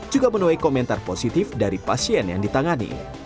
juga menuai komentar positif dari pasien yang ditangani